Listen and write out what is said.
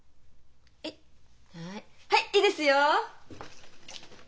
はいはいいいですよ！